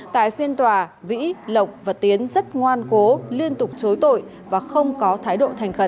tại phiên tòa vĩ lộc và tiến rất ngoan cố liên tục chối tội và không có thái độ thành khẩn